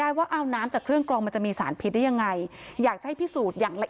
นี่ค่ะคือที่นี้ตัวใยทวดที่ทำให้สามีเธอเสียชีวิตรึเปล่าแล้วก็ไปพบศพในคลองหลังบ้าน